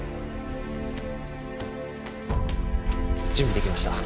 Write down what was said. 準備できました。